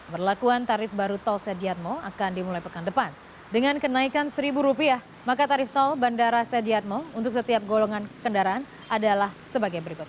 berlakuan tarif baru tol sediatmo akan dimulai pekan depan dengan kenaikan rp satu maka tarif tol bandara sediatmo untuk setiap golongan kendaraan adalah sebagai berikut